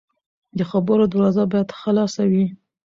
د خبرو دروازه باید خلاصه وي